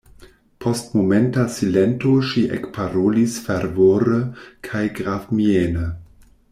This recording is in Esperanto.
Post momenta silento ŝi ekparolis fervore kaj gravmiene: